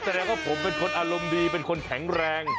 แสดงว่าผมเป็นคนอารมณ์ดีเป็นคนแข็งแรง